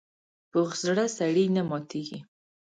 پوخ زړه سړي نه ماتېږي